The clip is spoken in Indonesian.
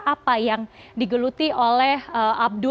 apa yang digeluti oleh abdul